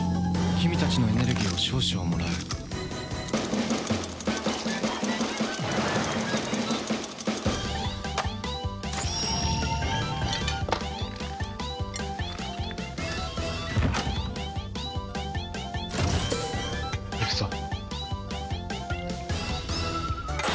君たちのエネルギーを少々もらういくぞ。